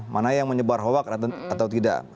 mana yang menyebar hoax atau tidak